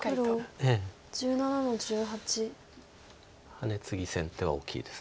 ハネツギ先手は大きいです。